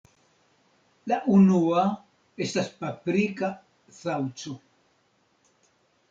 La unua estas Paprika Saŭco.